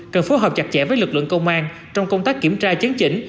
cần phối hợp chặt chẽ với lực lượng công an trong công tác kiểm tra chứng chỉnh